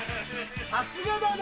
さすがだね。